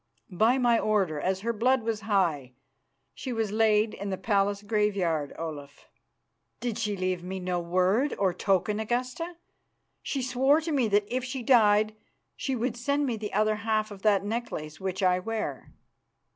"By my order, as her blood was high, she was laid in the palace graveyard, Olaf." "Did she leave me no word or token, Augusta? She swore to me that if she died she would send to me the other half of that necklace which I wear."